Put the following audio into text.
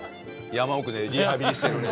山奥でリハビリしてるね